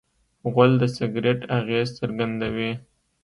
غول د سګرټ اغېز څرګندوي.